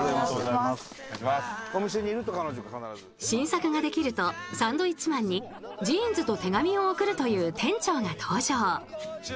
新作ができるとサンドウィッチマンにジーンズと手紙を送るという店長が登場。